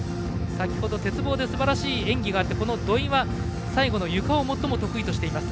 先ほど鉄棒ですばらしい演技があり最後のゆかを最も得意としています。